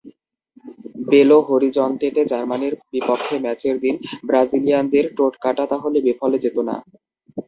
Below হরিজন্তেতে জার্মানির বিপক্ষে ম্যাচের দিন ব্রাজিলিয়ানদের টোটকাটা তাহলে বিফলে যেত না।